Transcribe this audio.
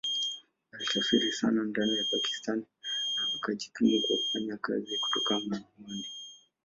Alisafiri sana ndani ya Pakistan na akajikimu kwa kufanya kazi kutoka Mianwali.